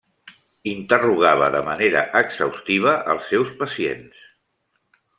Interrogava de manera exhaustiva als seus pacients.